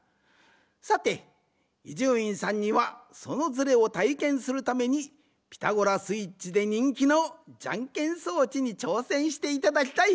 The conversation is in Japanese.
さて伊集院さんにはそのズレをたいけんするために「ピタゴラスイッチ」でにんきのじゃんけん装置にちょうせんしていただきたい。